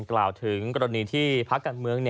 กล่าวถึงกรณีที่พักการเมือง